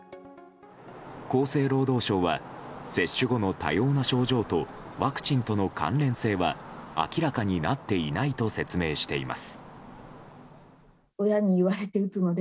厚生労働省は接種後の多様な症状とワクチンとの関連性は明らかになっていないと説明しています。